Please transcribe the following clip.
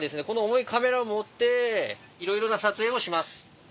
この重いカメラ持っていろいろな撮影をします。